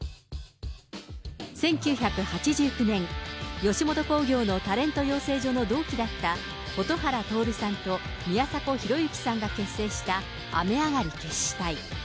１９８９年、吉本興業のタレント養成所の同期だった、蛍原徹さんと宮迫博之さんが結成した、雨上がり決死隊。